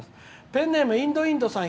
ペンネーム、インドインドさん